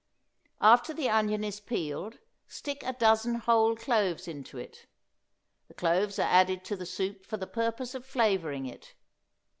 After the onion is peeled stick a dozen whole cloves into it. The cloves are added to the soup for the purpose of flavoring it.